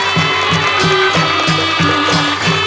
มีชื่อว่าโนราตัวอ่อนครับ